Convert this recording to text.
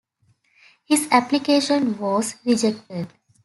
His application was rejected.